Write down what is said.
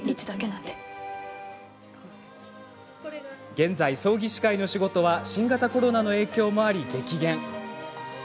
現在、葬儀司会の仕事は新型コロナの影響もあり激減。